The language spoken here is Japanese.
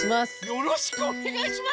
よろしくおねがいしますじゃない！